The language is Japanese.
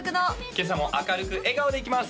今朝も明るく笑顔でいきます